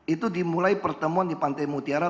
itu dimulai pertemuan di pantai mutiara